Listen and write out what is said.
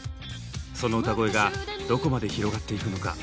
その歌声がどこまで広がっていくのか？